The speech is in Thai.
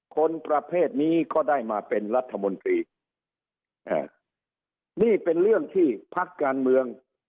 คนประเภทนี้ก็ได้มาเป็นรัฐมนตรีอ่านี่เป็นเรื่องที่พักการเมือง